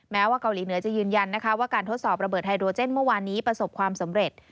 ว่าเกาหลีเหนือจะยืนยันนะคะว่าการทดสอบระเบิดไฮโดรเจนเมื่อวานนี้ประสบความสำเร็จ